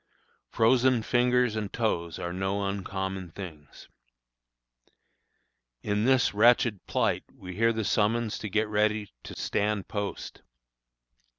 Frozen fingers and toes are no uncommon things. In this wretched plight we hear the summons to get ready to stand post.